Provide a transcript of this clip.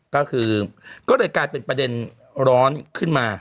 ก็คือก็เลยกลายเป็นประเด็นร้อนขึ้นมา